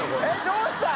┐どうした？